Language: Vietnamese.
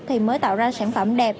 thì mới tạo ra sản phẩm đẹp